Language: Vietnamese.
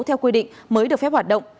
theo quy định mới được phép hoạt động